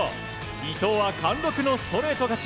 伊藤は貫禄のストレート勝ち。